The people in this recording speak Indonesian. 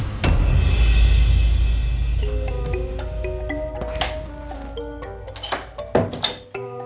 apa jangan jangan jessica ada di sini